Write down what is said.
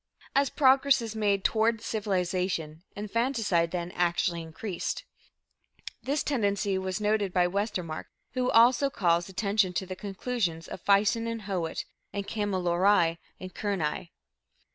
As progress is made toward civilization, infanticide, then, actually increased. This tendency was noted by Westermark, who also calls attention to the conclusions of Fison and Howitt (in Kamilaroi and Kurnai).